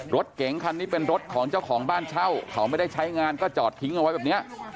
รถเก๋งคันนี้เป็นรถของเจ้าของบ้านเช่าเขาไม่ได้ใช้งานก็จอดทิ้งเอาไว้แบบนี้